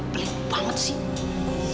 belit banget sih